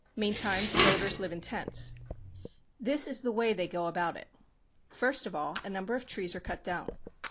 Meantime the builders live in tents. This is the way they go about it:—First of all, a number of trees are cut down.